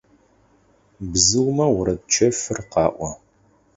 Бзыумэ орэд чэфыр къаӀо.